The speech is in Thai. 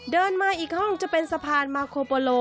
เดินมาอีกห้องจะเป็นสะพานมาโคโปโล